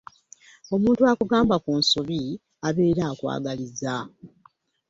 Omuntu akugamba ku nsobi abeera akwagaliza.